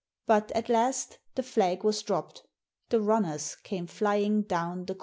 But, at last, the flag was dropped. The runners came flying down the course.